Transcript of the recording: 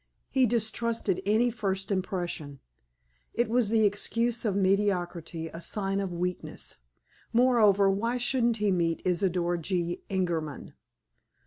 He distrusted any first impression. It was the excuse of mediocrity, a sign of weakness. Moreover, why shouldn't he meet Isidor G. Ingerman?